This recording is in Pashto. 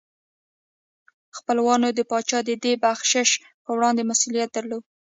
خپلوانو د پاچا د دې بخشش په وړاندې مسؤلیت درلود.